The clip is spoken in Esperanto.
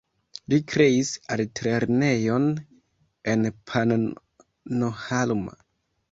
Li kreis altlernejon en Pannonhalma.